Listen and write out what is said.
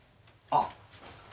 あっ！